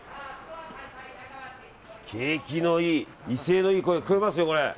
景気のいい威勢のいい声が聞こえますよ。